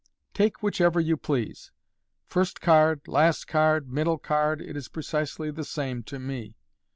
" Take whichever you please — first card, last card, middle card, it is precisely the same to me.